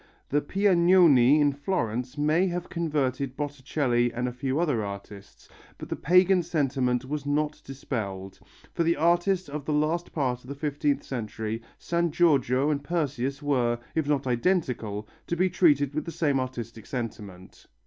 The Piagnoni in Florence may have converted Botticelli and a few other artists, but the pagan sentiment was not dispelled. For the artist of the last part of the XVth century San Giorgio and Perseus were, if not identical, to be treated with the same artistic sentiment.